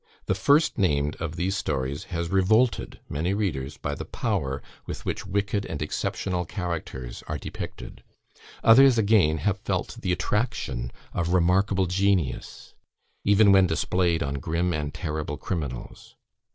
The first named of these stories has revolted many readers by the power with which wicked and exceptional characters are depicted. Others, again, have felt the attraction of remarkable genius, even when displayed on grim and terrible criminals.